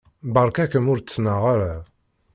Beṛka-kem ur ttnaɣ ara.